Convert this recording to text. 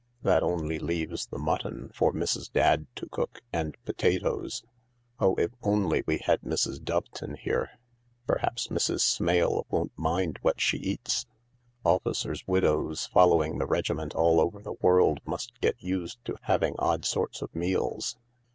That only leaves the mutton for Mrs. Dadd to cook, and potatoes. Oh, if only we had Mrs. Doveton here !"" Perhaps Mrs, Smale won't mind what she eats. Officers' widows following the regiment all over the world must get used to having odd sorts of meals.